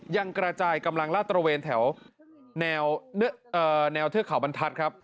กระจายกำลังลาดตระเวนแถวแนวเทือกเขาบรรทัศน์ครับ